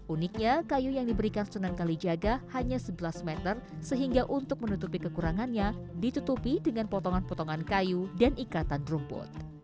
uniknya kayu yang diberikan sunan kalijaga hanya sebelas meter sehingga untuk menutupi kekurangannya ditutupi dengan potongan potongan kayu dan ikatan rumput